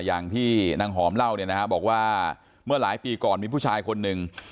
อย่างที่นางหอมเล่าเนี่ยนะฮะบอกว่าเมื่อหลายปีก่อนมีผู้ชายคนหนึ่ง